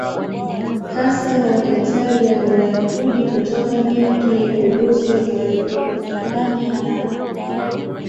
hasa Waitalia Wayahudi kutoka Milki ya Urusi Wapolandi na